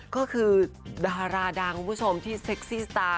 ก็คือดาราดังคุณผู้ชมที่เซ็กซี่สตาร์